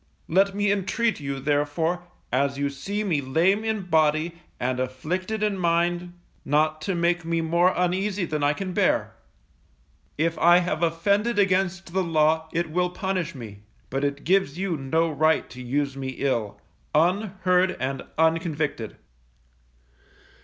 Let me intreat you, therefore, as you see me lame in body, and afflicted in mind, not to make me more uneasy than I can bear. If I have offended against the law it will punish me, but it gives you no right to use me ill, unheard, and unconvicted.